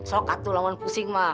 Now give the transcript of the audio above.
sokat tuh lawan pusing mah